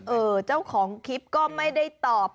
เจ้าของคลิปก็ไม่ได้ตอบ